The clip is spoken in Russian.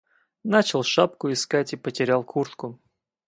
Начал шапку искать и потерял куртку.